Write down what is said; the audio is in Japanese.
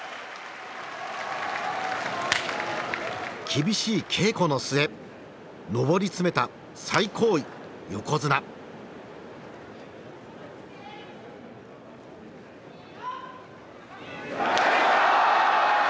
厳しい稽古の末上り詰めた最高位横綱。よいしょ！